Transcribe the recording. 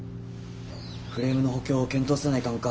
フレームの補強を検討せないかんか。